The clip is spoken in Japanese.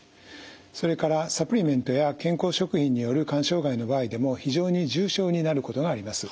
それからサプリメントや健康食品による肝障害の場合でも非常に重症になることがあります。